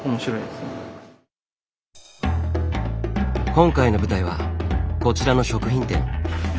今回の舞台はこちらの食品店。